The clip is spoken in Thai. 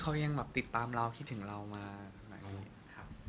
เขายังติดตามเราคิดถึงเรามา